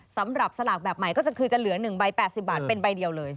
สำหรับสลากแบบใหม่ก็คือจะเหลือ๑ใบ๘๐บาทเป็นใบเดียวเลย